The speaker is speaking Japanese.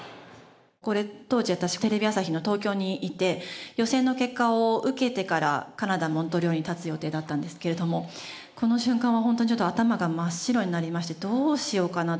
これ当時私テレビ朝日の東京にいて予選の結果を受けてからカナダモントリオールに発つ予定だったんですけれどもこの瞬間は本当にちょっと頭が真っ白になりましてどうしようかなと。